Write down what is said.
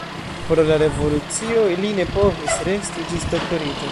Pro la revolucio li ne povis resti ĝis doktoriĝo.